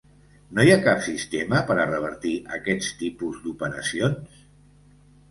No hi ha cap sistema per a revertir aquest tipus d’operacions?